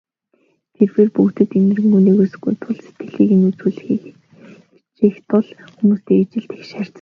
Тэр бээр бүгдэд энэрэнгүй, нигүүлсэнгүй сэтгэлийг үзүүлэхийг хичээх тул хүмүүстэй ижил тэгш харьцана.